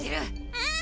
うん。